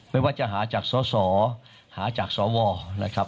ไม่ว่าจะหาจากสสหาจากสวนะครับ